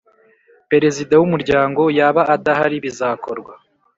Perezida wumuryango yaba adahari bizakorwa